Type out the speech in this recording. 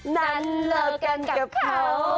นั้นเลิกกันกับเขา